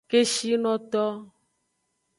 Keshinoto.